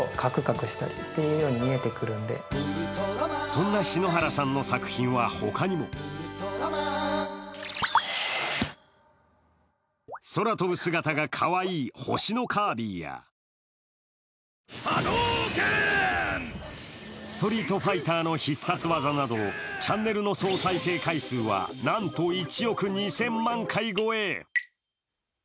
そんな篠原さんの作品は他にも。空飛ぶ姿がかわいい星のカービィやストリートファイターの必殺技などチャンネルの総再生回数はなんと１億２０００万回超え。